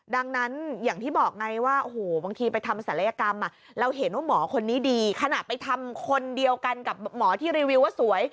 ดังนั้นอย่างที่บอกไงว่าโอ้โหบางทีไปทำศัลยกรรมเราเห็นว่าหมอคนนี้ดีขณะไปทำคนเดียวกันกับหมอที่รีวิวว่าสวย